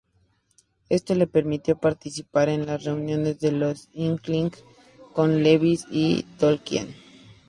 Esto le permitió participar en las reuniones de los "Inklings" con Lewis y Tolkien.